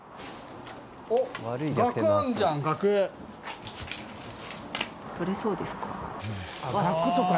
おっ、取れそうですか？